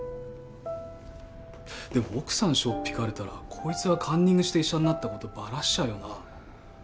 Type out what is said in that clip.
でも奥さんしょっ引かれたらこいつがカンニングして医者になったことバラしちゃうよな？